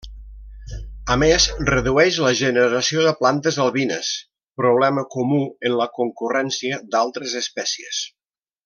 A més redueix la generació de plantes albines, problema comú en la concurrència d'altres espècies.